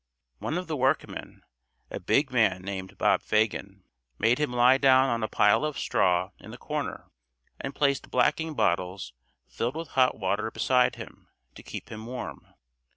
One of the workmen, a big man named Bob Fagin, made him lie down on a pile of straw in the corner and placed blacking bottles filled with hot water beside him to keep him warm.